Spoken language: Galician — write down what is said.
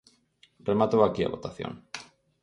Rematou aquí a votación.